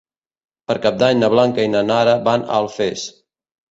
Per Cap d'Any na Blanca i na Nara van a Alfés.